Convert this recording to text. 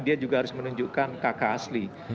dia juga harus menunjukkan kakak asli